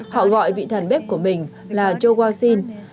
họ gọi vị thần bếp của mình là chô quang sinh